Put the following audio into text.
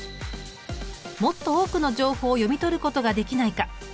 もっと多くの情報を読み取ることができないか？